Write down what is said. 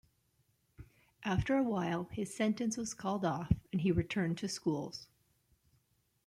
After a while his sentence was called off and he returned to schools.